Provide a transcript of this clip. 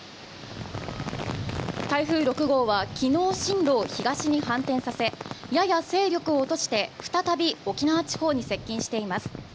台風６号は昨日進路を東に反転させやや勢力を落として再び沖縄地方に接近しています